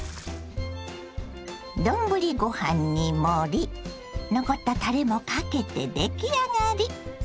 丼ご飯に盛り残ったたれもかけて出来上がり。